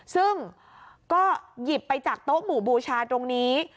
ซึ่งก็หยิบไปจากโต๊ะหมู่บูชาตรงนี้